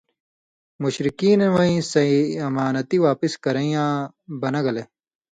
مشرکین وَیں سَیں امانتیۡ واپس کرَیں یاں بنہ گلے